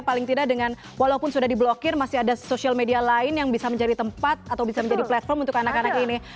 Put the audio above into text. paling tidak dengan walaupun sudah diblokir masih ada social media lain yang bisa menjadi tempat atau bisa menjadi platform untuk anak anak ini